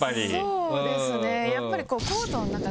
そうですねやっぱり。